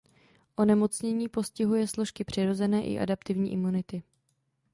Onemocnění postihuje složky přirozené i adaptivní imunity.